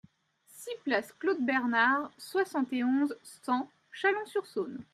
six place Claude Bernard, soixante et onze, cent, Chalon-sur-Saône